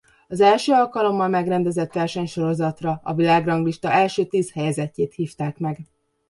Az első alkalommal megrendezett versenysorozatra a világranglista első tíz helyezettjét hívták meg.